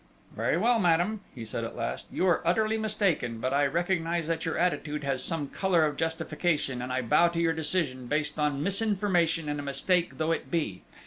"Very well, madame," he said at last. "You are utterly mistaken; but I recognise that your attitude has some colour of justification, and I bow to your decision, based on misinformation and a mistake though it be.